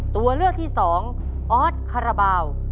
ตัวเลือกที่สองออสคาราบาล